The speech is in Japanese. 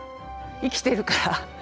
生きてるからさ。